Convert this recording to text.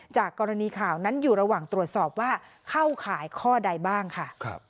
จากกรณีข่าวนั้นอยู่ระหว่างตรวจสอบว่าเข้าข่ายข้อใดบ้างค่ะ